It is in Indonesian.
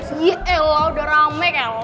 iya elah udah rame kayaknya